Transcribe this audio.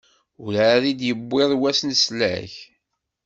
Werɛad i d-yewwiḍ wass n leslak.